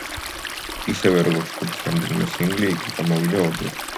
ისევე, როგორც ჯგუფის რამდენიმე სინგლი, იგი გამოვიდა ორჯერ.